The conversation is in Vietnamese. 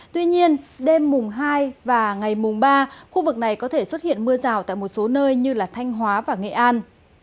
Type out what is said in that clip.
tuy nhiên đêm mùng hai và ngày mùng ba khu vực này có thể xuất hiện mưa rào tại một số nơi như thanh hóa và nghệ an